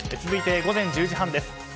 続いて午前１０時半です。